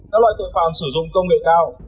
các loại tội phạm sử dụng công nghệ cao